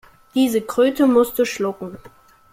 Diese Kröte musst du schlucken.